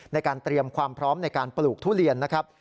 ในการเตรียมความพร้อมในการปลูกทุเรียนนะครับ